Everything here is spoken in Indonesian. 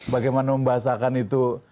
bagaimana membahasakan itu